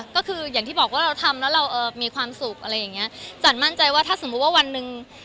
ก็คืออย่างที่บอกว่าเราทำแล้วเราเอ่อมีความสุขอะไรอย่างเงี้ยจันมั่นใจว่าถ้าสมมุติว่าวันหนึ่ง